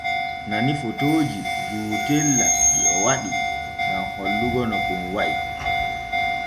Nani fotooji jootela ɗi o waɗi gam hollitingo no kon wa’i.